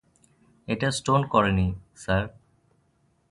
এটা স্টোন করেনি, স্যার.